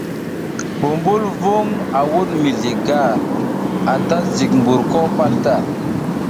Bumbulvung a wud mizli gar, anta zik mbur ko pal ta.